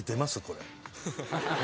これ。